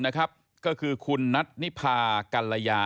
นะครับก็คือนัทณิพากัลละยา